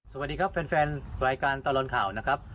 สวัสดีครับแฟนรายการตลอดข่าวนะครับ